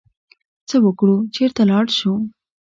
څه وکړو، چرته لاړ شو؟